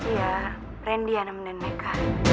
iya randy yang nemenin meka